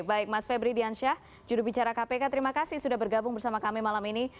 baik mas febri diansyah jurubicara kpk terima kasih sudah bergabung bersama kami malam ini